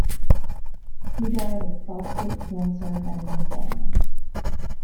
He died of prostate cancer and lymphoma.